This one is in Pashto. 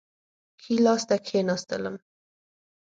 ښي لاس ته کښېنستلم.